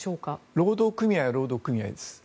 労働組合は労働組合です。